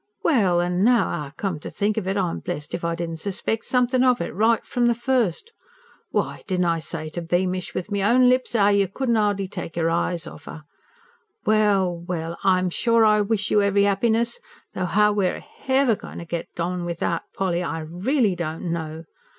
"Well, and now I come to think of it, I'm blessed if I didn't suspeck somethin' of it, right from the first! Why, didn't I say to Beamish, with me own lips, 'ow you couldn't 'ardly take your eyes off 'er? Well, well, I'm sure I wish you every 'appiness though 'ow we're h'ever goin' to get on without Polly, I reelly don't know.